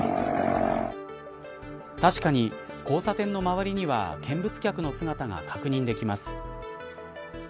確かに交差点の周りには見物客の姿が確認できます。